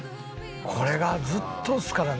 これがずっとですからね。